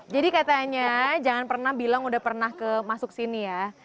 jadi katanya jangan pernah bilang udah pernah masuk sini ya